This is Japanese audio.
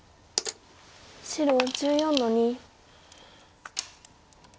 白１４の二。